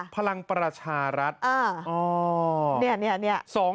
ภารังประชารัฐษณ์